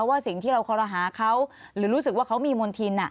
ว่าสิ่งที่เราคอรหาเขาหรือรู้สึกว่าเขามีมณฑิน